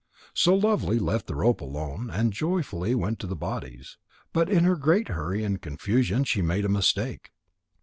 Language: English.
So Lovely left the rope alone and joyfully went to the bodies. But in her great hurry and confusion she made a mistake.